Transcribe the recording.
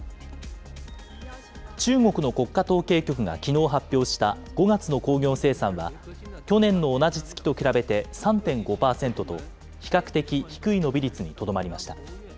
中国の国家統計局がきのう発表した５月の工業生産は、去年の同じ月と比べて３．５％と、比較的低い伸び率にとどまりました。